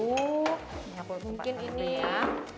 mungkin ini ya